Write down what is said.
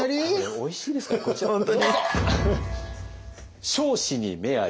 おいしいですからこちらどうぞ！